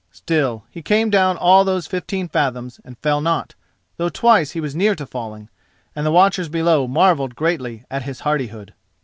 Still, he came down all those fifteen fathoms and fell not, though twice he was near to falling, and the watchers below marvelled greatly at his hardihood.